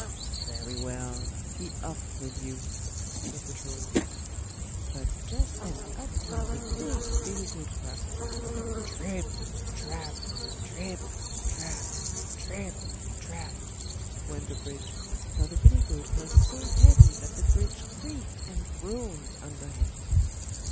"Very well! be off with you", said the Troll. But just then up came the big billy goat Gruff. "TRIP, TRAP! TRIP, TRAP! TRIP, TRAP!" went the bridge, for the billy goat was so heavy that the bridge creaked and groaned under him.